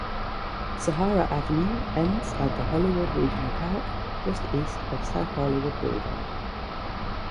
Sahara Avenue ends at the Hollywood Regional Park, just east of S Hollywood Boulevard.